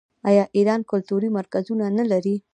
آیا ایران کلتوري مرکزونه نلري؟